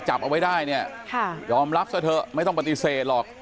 จับเอาไว้ได้เนี่ยยอมรับซะเถอะไม่ต้องปฏิเสธหรอก